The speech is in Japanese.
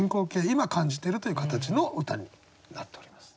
今感じてるという形の歌になっております。